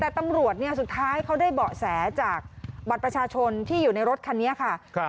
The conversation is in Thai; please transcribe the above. แต่ตำรวจเนี่ยสุดท้ายเขาได้เบาะแสจากบัตรประชาชนที่อยู่ในรถคันนี้ค่ะ